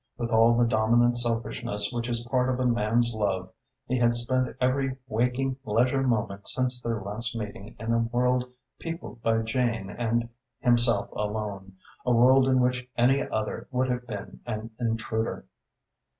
With all the dominant selfishness which is part of a man's love, he had spent every waking leisure moment since their last meeting in a world peopled by Jane and himself alone, a world in which any other would have been an intruder.